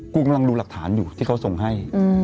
กำลังดูหลักฐานอยู่ที่เขาส่งให้